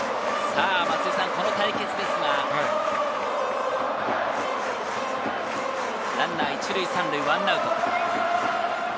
この対決ですが、ランナー１塁３塁１アウト。